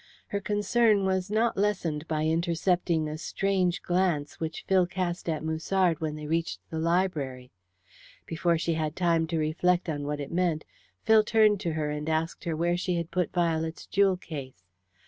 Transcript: Her concern was not lessened by intercepting a strange glance which Phil cast at Musard when they reached the library. Before she had time to reflect on what it meant, Phil turned to her and asked her where she had put Violet's jewel case.